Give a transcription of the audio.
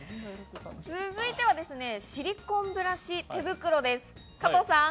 続いてはシリコンブラシ手袋です。